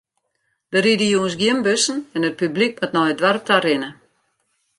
Der ride jûns gjin bussen en it publyk moat nei it doarp ta rinne.